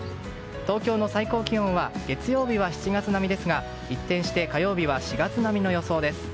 東京の最高気温は月曜日は７月並みですが一転して火曜日は４月並みの予想です。